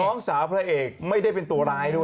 น้องสาวพระเอกไม่ได้เป็นตัวร้ายด้วย